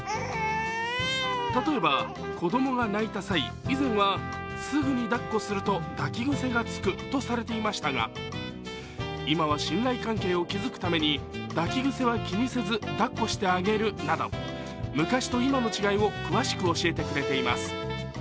例えば、子供が泣いた際、以前はすぐにだっこすると抱き癖がつくとされていましたが、今は信頼関係を築くために抱き癖は気にせず抱っこしてあげるなど、昔と今の違いを詳しく教えてくれています。